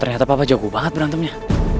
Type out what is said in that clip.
ternyata papa jagu banget berantemnya